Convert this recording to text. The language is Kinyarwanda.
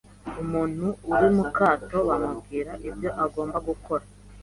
Umuntu uri mu kato bamubwira ibyo agomba gukora,